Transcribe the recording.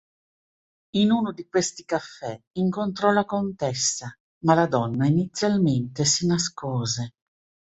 In uno di questi caffè incontrò la contessa, ma la donna inizialmente si nascose.